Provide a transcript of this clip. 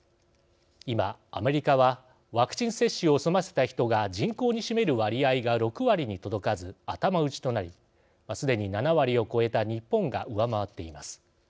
今アメリカはワクチン接種を済ませた人が人口に占める割合が６割に届かず頭打ちとなりすでに７割を超えた日本が上回っています。